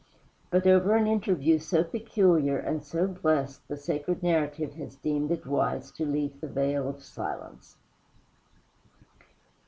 But over an interview so peculiar and so blessed the sacred narrative has deemed it wise to leave the veil of silence.